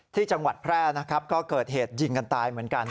ที่จังหวัดแพร่นะครับก็เกิดเหตุยิงกันตายเหมือนกัน